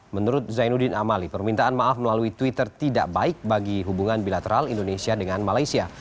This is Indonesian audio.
menurut zainuddin amali permintaan maaf melalui twitter tidak baik bagi hubungan bilateral indonesia dengan malaysia